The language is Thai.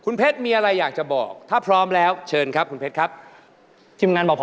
นี่เค้าเป็นนักฟ้านะคะ